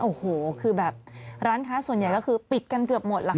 โอ้โหคือแบบร้านค้าส่วนใหญ่ก็คือปิดกันเกือบหมดล่ะค่ะ